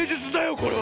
これは！